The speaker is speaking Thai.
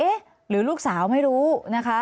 หรือลูกสาวไม่รู้นะคะ